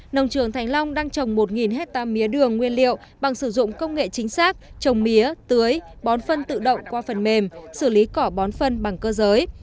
nông trường thành long đang trồng một hectare mía đường nguyên liệu bằng sử dụng công nghệ chính xác trồng mía tưới bón phân tự động qua phần mềm xử lý cỏ bón phân bằng cơ giới